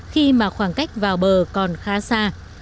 khi mà khoảng cách vào bờ còn khá xa